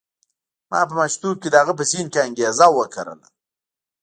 ما په ماشومتوب کې د هغه په ذهن کې انګېزه وکرله.